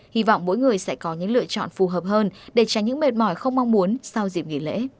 hy vọng mỗi người sẽ có những lựa chọn phù hợp hơn để tránh những mệt mỏi không mong muốn sau dịp nghỉ lễ